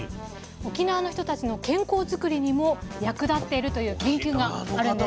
沖縄の人たちの健康づくりにも役立っているという研究があるんです。